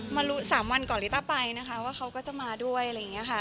มารู้๓วันก่อนลิต้าไปนะคะว่าเขาก็จะมาด้วยอะไรอย่างนี้ค่ะ